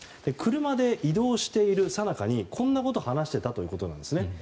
車で移動しているさなかにこんなことを話していたということです。